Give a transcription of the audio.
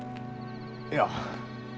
いや。